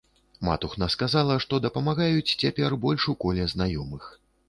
Матухна сказала, што дапамагаюць цяпер больш у коле знаёмых.